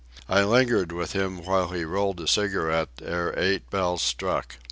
I lingered with him while he rolled a cigarette ere eight bells struck.